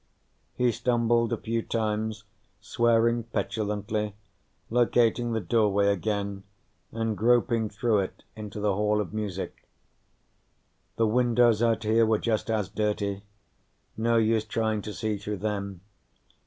He stumbled a few times, swearing petulantly, locating the doorway again and groping through it into the Hall of Music. The windows out here were just as dirty; no use trying to see through them.